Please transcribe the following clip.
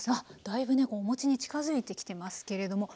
だいぶねおもちに近づいてきてますけれども。